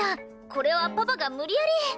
これはパパが無理やり。